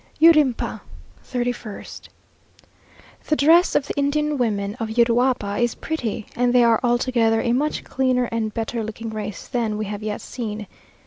URIMPA, 31st. The dress of the Indian women of Uruapa is pretty, and they are altogether a much cleaner and better looking race than we have yet seen.